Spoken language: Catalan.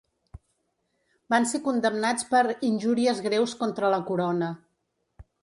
Van ser condemnats per ‘injúries greus contra la corona’.